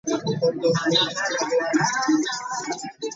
Many modules were designed to replace existing ones.